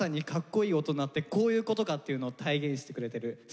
こういうことかっていうのを体現してくれてるそんな曲ですね。